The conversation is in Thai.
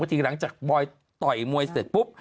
ทีหลังจากบอยต่อยมวยเสร็จปุ๊บ